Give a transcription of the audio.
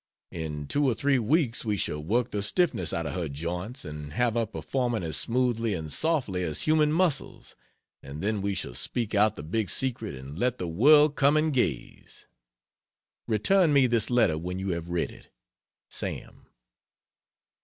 In two or three weeks we shall work the stiffness out of her joints and have her performing as smoothly and softly as human muscles, and then we shall speak out the big secret and let the world come and gaze. Return me this letter when you have read it. SAM.